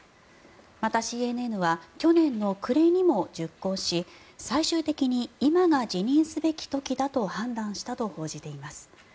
また、ＣＮＮは去年の暮れにも熟考し最終的に今が辞任すべき時だと判断したと報じています。